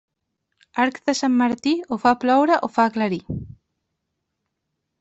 Arc de Sant Martí, o fa ploure o fa aclarir.